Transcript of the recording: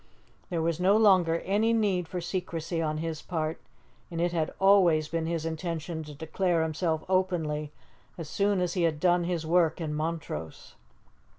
There was no longer any need for secrecy on his part, and it had always been his intention to declare himself openly as soon as he had done his work in Montrose.